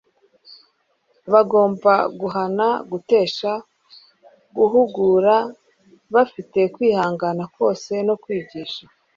Bagomba guhana gutesha guhugura bafite kwihangana kose no kwigisha